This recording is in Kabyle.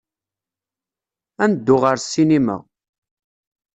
Ad neddu ɣer ssinima.